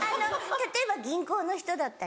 例えば銀行の人だったり。